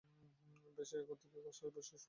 বেশ, একদিকে, কাজটা শিশুসুলভ।